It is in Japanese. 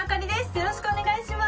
よろしくお願いします。